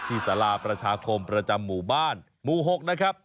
สาราประชาคมประจำหมู่บ้านหมู่๖นะครับ